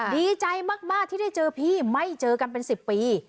ดีใจมากที่ได้เจอพี่ไม่เจอกันเป็น๑๐ปี